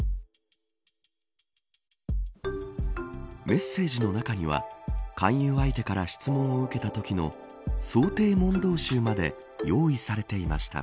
メッセージの中には勧誘相手から質問を受けたときの想定問答集まで用意されていました。